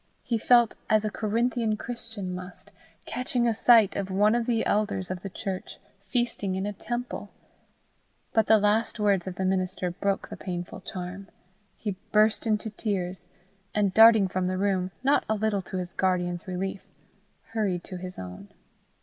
He felt as a Corinthian Christian must, catching a sight of one of the elders of the church feasting in a temple. But the last words of the minister broke the painful charm. He burst into tears, and darting from the room, not a little to his guardian's relief, hurried to his own.